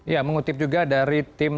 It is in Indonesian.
ya mengutip juga dari tim